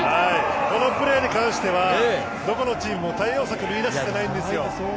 このプレーに関してはどこのチームも対応策を見いだしてないんですよ。